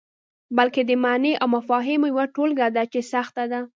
بلکې د معني او مفاهیمو یوه ټولګه ده چې سخته ده.